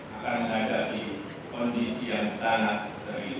akan menghadapi kondisi yang sangat serius